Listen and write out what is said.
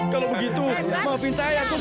kalau begitu maafin saya